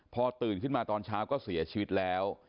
พอตื่นขึ้นมาตอนเช้าก็เสียชีวิตแล้ว